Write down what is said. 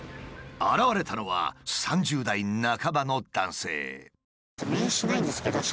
現れたのは３０代半ばの男性。